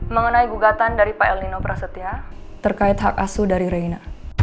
mengenai gugatan dari pak el nino prasetya terkait hak asuh dari reina